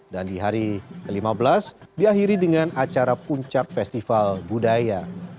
dan di hari ke lima belas diakhiri dengan acara puncak festival budaya